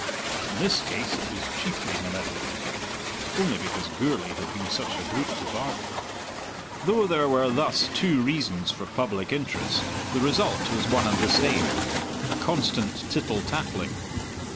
In this case it was chiefly malevolent only because Gourlay had been such a brute to Barbie. Though there were thus two reasons for public interest, the result was one and the same a constant tittle tattling.